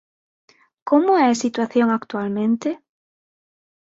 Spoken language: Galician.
¿Como é a situación actualmente?